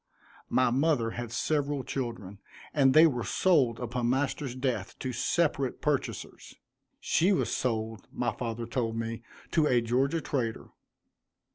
My mother had several children, and they were sold upon master's death to separate purchasers. She was sold, my father told me, to a Georgia trader.